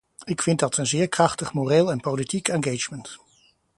Ik vind dat een zeer krachtig moreel en politiek engagement.